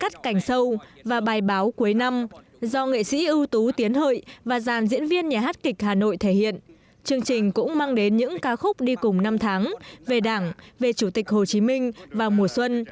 chương trình cũng mang đến những ca khúc đi cùng năm tháng về đảng về chủ tịch hồ chí minh vào mùa xuân